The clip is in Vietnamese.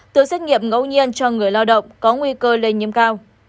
từ xét nghiệm ngẫu nhiên cho người lao động có nguy cơ lây nhiễm cao